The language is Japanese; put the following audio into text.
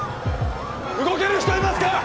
動ける人いますか？